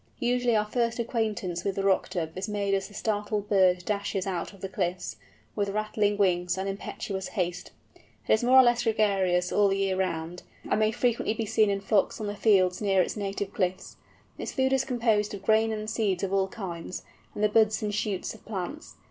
Usually our first acquaintance with the Rock Dove is made as the startled bird dashes out of the cliffs, with rattling wings and impetuous haste. It is more or less gregarious all the year round, and may frequently be seen in flocks on the fields near its native cliffs. Its food is composed of grain and seeds of all kinds, and the buds and shoots of plants.